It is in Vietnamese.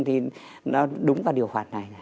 thì nó đúng vào điều khoản này